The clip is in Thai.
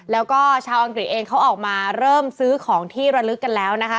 แล้วก็ชาวอังกฤษเองเขาออกมาเริ่มซื้อของที่ระลึกกันแล้วนะคะ